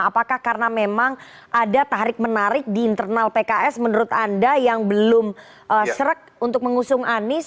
apakah karena memang ada tarik menarik di internal pks menurut anda yang belum serek untuk mengusung anies